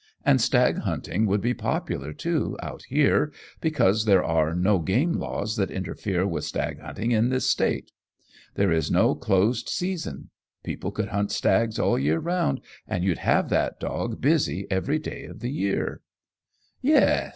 And stag hunting would be popular, too, out here, because there are no game laws that interfere with stag hunting in this State. There is no closed season. People could hunt stags all the year round, and you'd have that dog busy every day of the year." "Yes!"